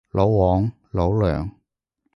老黃，老梁